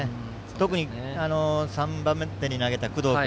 特に３番手に投げた工藤君。